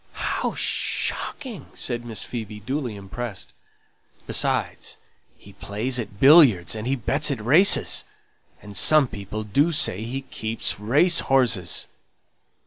"How shocking!" said Miss Phoebe, duly impressed. "Besides, he plays at billiards, and he bets at races, and some people do say he keeps race horses."